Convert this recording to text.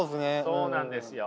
そうなんですよ。